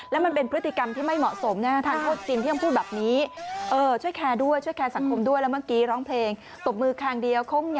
แล้วก็ชอบโกงสิ